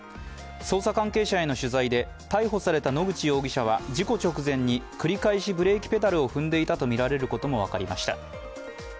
捜査関係者への取材で、逮捕された野口容疑者は事故直前に繰り返しブレーキペダルを踏んでいたとみられることも分かりました。